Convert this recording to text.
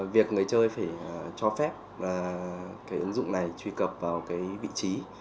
việc người chơi phải cho phép cái ứng dụng này truy cập vào cái vị trí